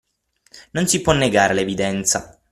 Non si può negare l'evidenza.